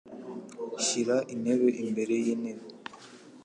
Shira intebe imbere yintebe.